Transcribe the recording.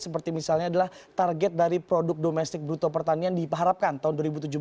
seperti misalnya adalah target dari produk domestik bruto pertanian diharapkan tahun dua ribu tujuh belas